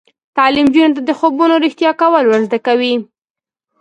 تعلیم نجونو ته د خوبونو رښتیا کول ور زده کوي.